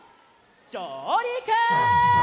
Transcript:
じょうりく！